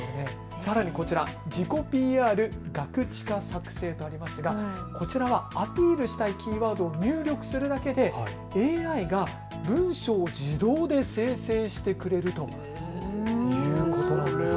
さらにこちら、自己ＰＲ・ガクチカ作成とありますがこちらはアピールしたいキーワードを入力するだけでＡＩが文章を自動で生成してくれるということなんです。